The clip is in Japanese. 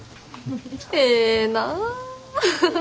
ええなぁ。